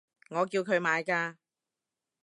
我叫佢買㗎